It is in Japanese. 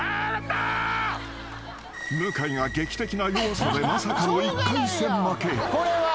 ［向井が劇的な弱さでまさかの１回戦負け］